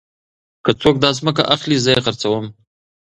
که څوک داځمکه اخلي زه يې خرڅوم.